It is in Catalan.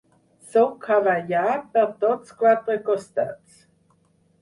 Sóc hawaià per tots quatre costats.